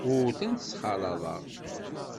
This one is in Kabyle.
Ur tent-ttxalaḍeɣ.